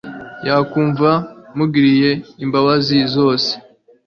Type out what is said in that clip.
yakumva amugiriye imbabazi zose